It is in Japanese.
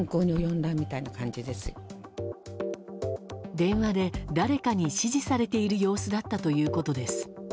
電話で誰かに指示されている様子だったということです。